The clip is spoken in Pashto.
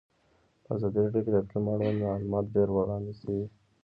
په ازادي راډیو کې د اقلیم اړوند معلومات ډېر وړاندې شوي.